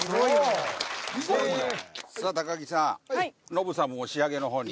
ノブさんも仕上げの方に。